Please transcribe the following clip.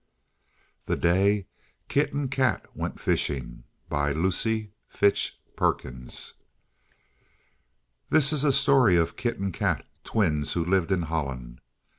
The Day Kit and Kat went Fishing LUCY FITCH PERKINS This is a story of Kit and Kat, twins who lived in Holland.